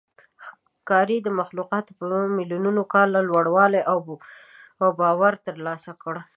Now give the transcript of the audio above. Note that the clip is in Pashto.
ښکاري مخلوقاتو په میلیونونو کاله لوړوالی او باور ترلاسه کړ.